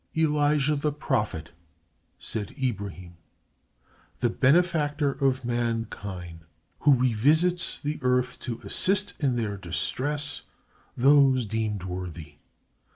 "Elijah, the Prophet," said Ibrahim, "the benefactor of mankind, who revisits the earth to assist in their distress those deemed worthy.